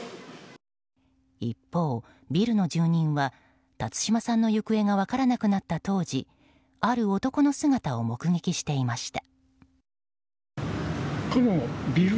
一方、ビルの住人は辰島さんの行方が分からなくなった当時ある男の姿を目撃していました。